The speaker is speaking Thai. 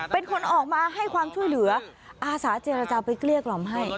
เป็นคนออกมาให้ความช่วยเหลืออาสาเจรจาไปเกลี้ยกล่อมให้